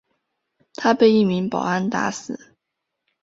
他被一名保安打死。